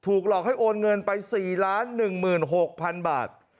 ถูกหลอกให้โอนเงินไป๔ล้าน๑๖๐๐๐บาท